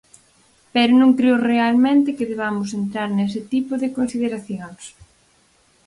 Pero non creo realmente que debamos entrar nese tipo de consideracións.